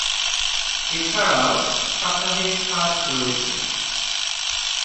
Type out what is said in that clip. এছাড়াও সাপ্তাহিক হাট রয়েছে।